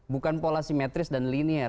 bukan pola asimetris dan linier